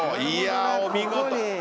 いやお見事。